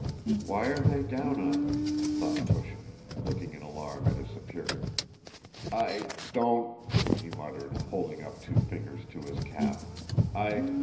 "Why are they down on me?" thought Túshin, looking in alarm at his superior. "I... don't..." he muttered, holding up two fingers to his cap. "I..."